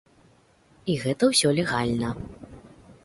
І гэта ўсё легальна.